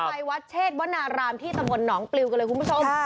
ไปวัดเชษวนารามที่ตำบลหนองปลิวกันเลยคุณผู้ชม